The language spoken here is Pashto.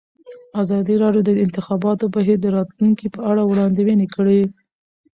ازادي راډیو د د انتخاباتو بهیر د راتلونکې په اړه وړاندوینې کړې.